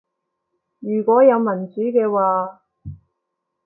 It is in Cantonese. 如果有民主嘅話